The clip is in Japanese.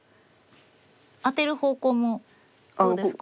アテる方向もどうですか？